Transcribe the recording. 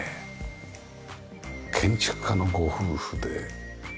建築家のご夫婦で。